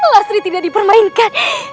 lastri tidak dipermainkan